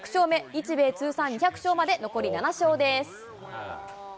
日米通算２００勝まで、残り７勝です。